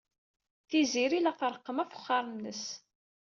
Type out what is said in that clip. Tiziri la treqqem afexxar-nnes.